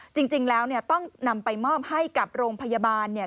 จริงแล้วเนี่ยต้องนำไปมอบให้กับโรงพยาบาลเนี่ย